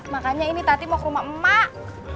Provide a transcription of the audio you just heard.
makanya ini tati mau ke rumah emak emak